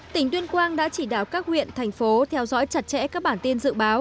tỉnh tuyên quang đã chỉ đạo các huyện thành phố theo dõi chặt chẽ các bản tin dự báo